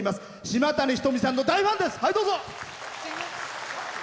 島谷ひとみさんの大ファンです。